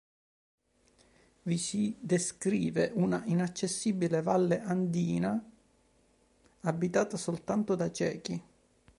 Vi si descrive una inaccessibile valle andina abitata soltanto da ciechi.